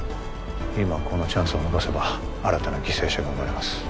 今このチャンスを逃せば新たな犠牲者が生まれます